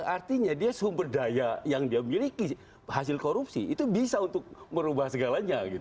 artinya dia sumber daya yang dia miliki hasil korupsi itu bisa untuk merubah segalanya